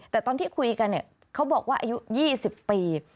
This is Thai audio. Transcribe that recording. แต่ตอนที่คุยกันเขาบอกว่าอายุ๒๐ปี